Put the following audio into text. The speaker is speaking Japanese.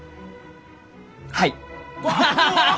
はい。